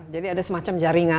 jadi ada semacam jaringan